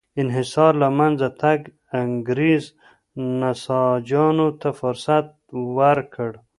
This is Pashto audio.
انحصار له منځه تګ انګرېز نساجانو ته فرصت ورکړ.